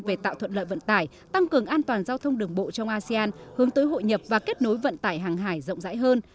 về tạo thuận lợi vận tải tăng cường an toàn giao thông đường bộ trong asean hướng tới hội nhập và kết nối vận tải hàng hải rộng rãi hơn